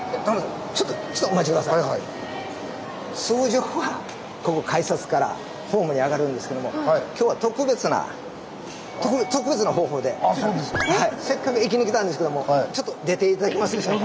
通常はここ改札からホームに上がるんですけどもせっかく駅に来たんですけどもちょっと出て頂けますでしょうか。